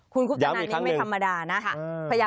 คุณคุปตนันนี้ไม่ธรรมดานะคะ